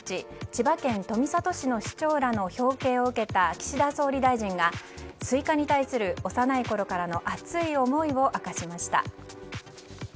千葉県富里市の市長らの表敬を受けた岸田総理大臣がスイカに対する幼いころからの熱い思いを明かしました。